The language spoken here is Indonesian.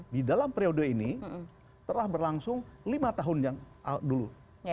di dalam periode ini telah berlangsung lima tahun yang dulu